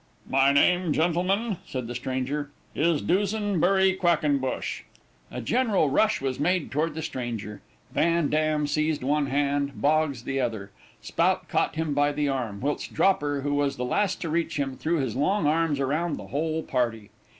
"My name, gentlemen," said the stranger, "is Dusenbury Quackenbush." A general rush was made toward the stranger. Van Dam seized one hand, Boggs the other; Spout caught him by the arm, whilst Dropper, who was the last to reach him, threw his long arms around the whole party.